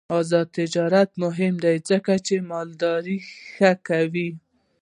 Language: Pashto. آزاد تجارت مهم دی ځکه چې مالداري ښه کوي.